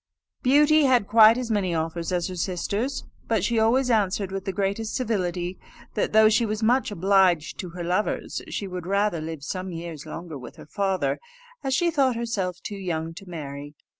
Beauty had quite as many offers as her sisters, but she always answered, with the greatest civility, that though she was much obliged to her lovers, she would rather live some years longer with her father, as she thought herself too young to marry.